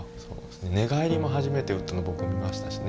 寝返りも初めて打ったの僕見ましたしね。